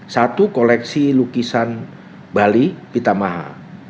satu koleksi lukisan bali pita maha